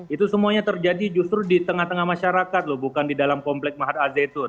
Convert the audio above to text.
itu semuanya terjadi justru di tengah tengah masyarakat loh bukan di dalam komplek mahat al zaitun